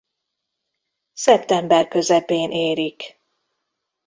Szeptember közepén érik.